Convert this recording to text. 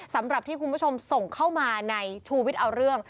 สำหรับที่คุณผู้ชมส่งเข้ามาในชูวิทย์เอาเรื่อง